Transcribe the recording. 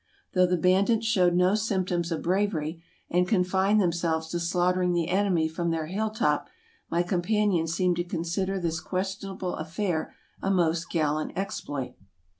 Though the bandits showed no symptoms of bravery, and confined themselves to slaughtering the enemy from their hill top, my companions seemed to consider this questionable affair a most gallant exploit.